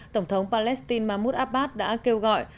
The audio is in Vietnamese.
tổng thống palestine mahmoud abbas đã kêu gọi